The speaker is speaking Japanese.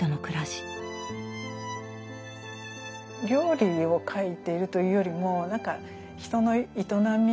料理を書いているというよりもなんか人の営みですね。